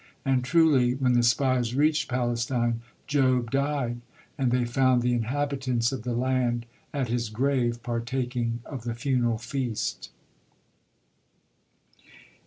And truly when the spies reached Palestine, Job died, and they found the inhabitants of the land at his grave, partaking of the funeral feast.